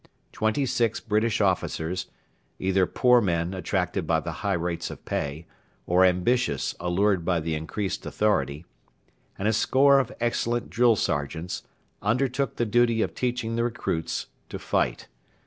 Twenty six British officers either poor men attracted by the high rates of pay, or ambitious allured by the increased authority and a score of excellent drill sergeants undertook the duty of teaching the recruits to fight.